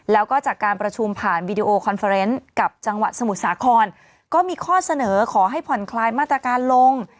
แล้วก็จากการประชุมผ่านวีดีโอคอนเฟอร์เนสกับจังหวัดสมุทรสาครก็มีข้อเสนอขอให้ผ่อนคลายมาตรการลง